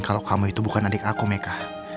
kalau kamu itu bukan adik aku meka